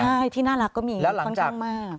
ใช่ที่น่ารักก็มีค่อนข้างมาก